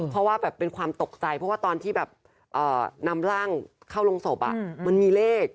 เพราะว่าแบบเป็นความตกใจเพราะว่าตอนที่แบบนำร่างเข้าโรงศพมันมีเลข